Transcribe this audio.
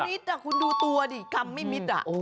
นิดคุณดูตัวดิกรรมไม่มิด